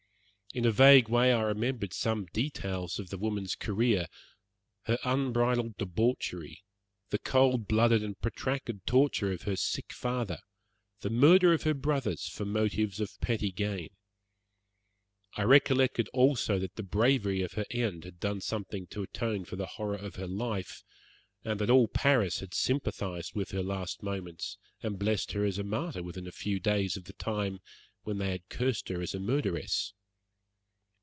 In a vague way I remembered some details of the woman's career, her unbridled debauchery, the cold blooded and protracted torture of her sick father, the murder of her brothers for motives of petty gain. I recollected also that the bravery of her end had done something to atone for the horror of her life, and that all Paris had sympathized with her last moments, and blessed her as a martyr within a few days of the time when they had cursed her as a murderess.